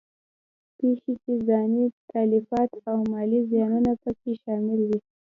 پېښې چې ځاني تلفات او مالي زیانونه په کې شامل وي.